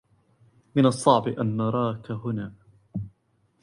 من الصعب أن نراك هنا.